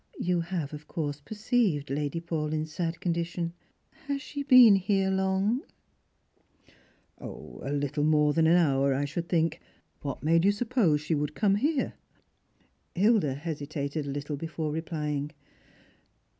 You have of course perceived poor Lady Paulyn's sad condition ? Has she been here long ?" "A little more than an hour, I should think. What made you suppose that she would come here ?" Hilda hesitated a little before replying.